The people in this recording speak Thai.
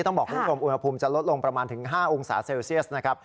ต้องบอกคุณผู้ชมอุณหภูมิจะลดลงประมาณถึง๕องศาเซลเซียสนะครับ